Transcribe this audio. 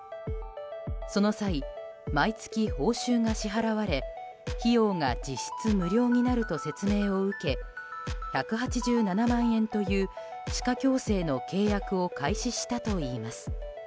その際毎月、報酬が支払われ費用が実質無料になると説明を受け１８７万円という歯科矯正の契約を開始したといいます。